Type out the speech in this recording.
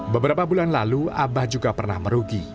beberapa bulan lalu abah juga pernah merugi